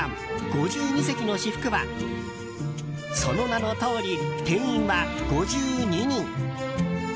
「５２席の至福」はその名のとおり、定員は５２人。